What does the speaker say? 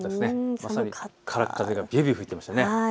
まさにからっ風がびゅーびゅー吹いていましたね。